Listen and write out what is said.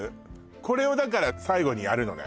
これをだから最後にやるのね